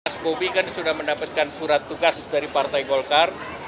mas bobi kan sudah mendapatkan surat tugas dari partai golkar